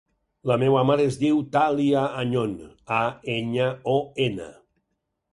La meva mare es diu Thàlia Añon: a, enya, o, ena.